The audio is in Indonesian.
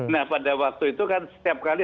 nah pada waktu itu kan setiap kali